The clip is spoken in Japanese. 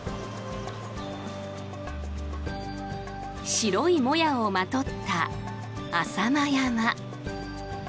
白いもやをまとった浅間山。